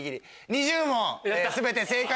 ２０問全て正解。